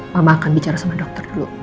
mama akan bicara sama dokter dulu